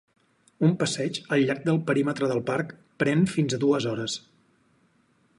Un passeig al llarg del perímetre del parc pren fins a dues hores.